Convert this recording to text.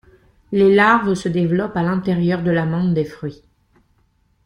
Les larves se développent à l'intérieur de l'amande des fruits.